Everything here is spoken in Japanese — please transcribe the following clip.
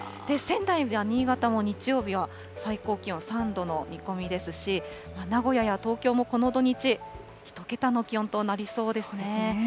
仙台や新潟も日曜日は最高気温３度の見込みですし、名古屋や東京もこの土日、１桁の気温となりそうですね。